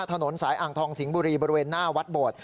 ถนนสายอ่างทองสิงห์บุรีบริเวณหน้าวัดโบด